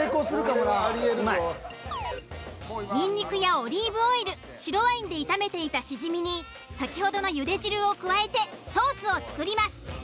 ニンニクやオリーブオイル白ワインで炒めていたシジミに先ほどの茹で汁を加えてソースを作ります。